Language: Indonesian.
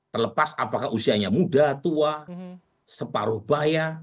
terlepas apakah usianya muda tua separuh bahaya